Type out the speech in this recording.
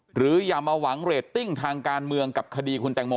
อย่ามาหวังเรตติ้งทางการเมืองกับคดีคุณแตงโม